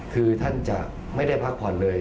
คือท่านจะไม่ได้พักผ่อนเลย